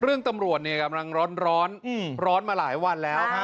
ตำรวจเนี่ยกำลังร้อนร้อนมาหลายวันแล้ว